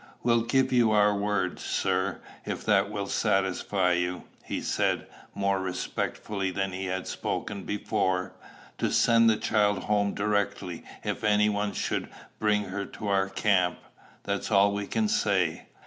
"We'll give you our word, sir, if that will satisfy you," he said, more respectfully than he had spoken before, "to send the child home directly if any one should bring her to our camp. That's all we can say."